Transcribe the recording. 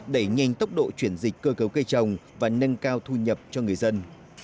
đẩy nhanh tốc độ chuyển dịch cơ cấu cây trồng và nâng cao thu nhập cho người dân